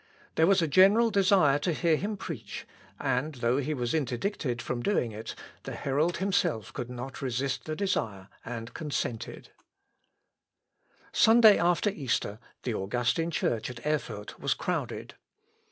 There was a general desire to hear him preach, and though he was interdicted from doing it, the herald himself could not resist the desire, and consented. [Sidenote: LUTHER PREACHES AT ERFURT.] Sunday after Easter, the Augustin church at Erfurt was crowded.